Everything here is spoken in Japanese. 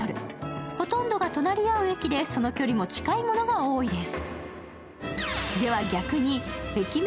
ほとんどが隣り合う駅で、その距離も近いものが多いです。